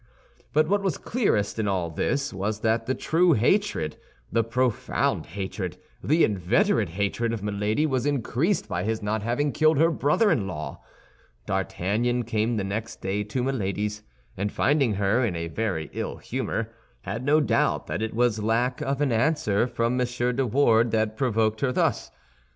But what was clearest in all this was that the true hatred, the profound hatred, the inveterate hatred of Milady, was increased by his not having killed her brother in law. D'Artagnan came the next day to Milady's, and finding her in a very ill humor, had no doubt that it was lack of an answer from M. de Wardes that provoked her thus.